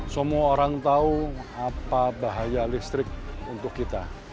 semua orang tahu apa bahaya listrik untuk kita